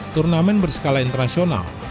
turnamen berskala internasional